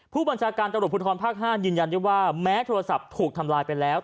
ผู้บัญชาการตำรวจภูทรภาค๕ยืนยันได้ว่าแม้โทรศัพท์ถูกทำลายไปแล้ว